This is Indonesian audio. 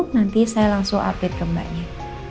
nanti saya langsung update ke mbaknya